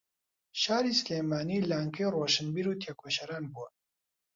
شاری سلێمانی لانکەی ڕۆشنبیر و تێکۆشەران بووە